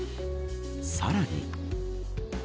さらに。